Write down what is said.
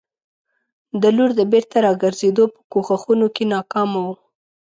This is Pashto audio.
د لور د بېرته راګرزېدو په کوښښونو کې ناکامه وو.